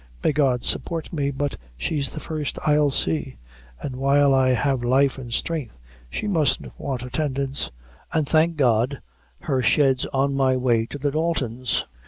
May God support me, but she's the first I'll see; an' while I have life an' strength, she musn't want attendance; an' thank God her shed's on my way to the Daltons!"